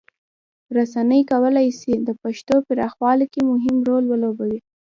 رسنۍ کولی سي د پښتو پراخولو کې مهم رول ولوبوي.